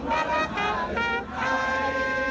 แต่เพื่อช่วย